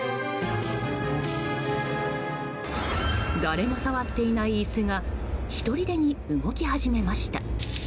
誰も触っていない椅子がひとりでに動き始めました。